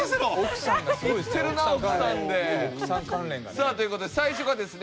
さあという事で最初がですね